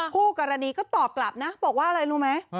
คู่กรณีก็ตอบกลับนะบอกว่าอะไรรู้ไหม